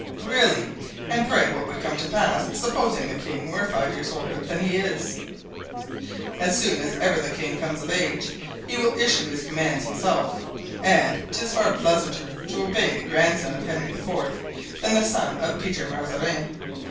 "Really! And pray what would come to pass, supposing the king were five years older than he is?" "As soon as ever the king comes of age he will issue his commands himself, and 'tis far pleasanter to obey the grandson of Henry IV. than the son of Peter Mazarin.